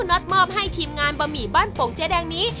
น็อตมอบให้ทีมงานบะหมี่บ้านโป่งเจ๊แดงนี้